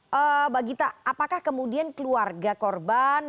mbak gita apakah kemudian keluarga korban